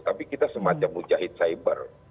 tapi kita semacam mujahid cyber